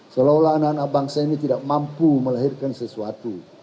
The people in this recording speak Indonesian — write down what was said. seolah olah anak anak bangsa ini tidak mampu melahirkan sesuatu